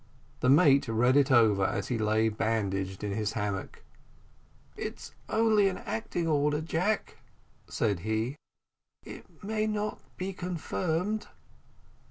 The mate read it over as he lay bandaged in his hammock. "It's only an acting order, Jack," said he; "it may not be confirmed."